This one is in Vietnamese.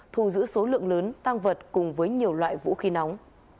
thu giữ số lượng lớn tăng vật cùng với nhiều loại vũ khí nóng